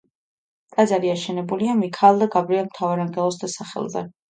ტაძარი აშენებულია მიქაელ და გაბრიელ მთავარანგელოზთა სახელზე.